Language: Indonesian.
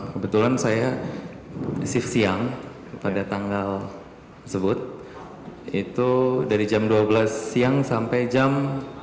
kebetulan saya shift siang pada tanggal sebut itu dari jam dua belas siang sampai jam